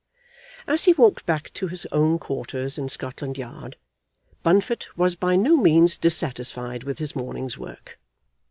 As he walked back to his own quarters in Scotland Yard, Bunfit was by no means dissatisfied with his morning's work.